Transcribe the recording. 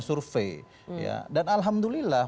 survei dan alhamdulillah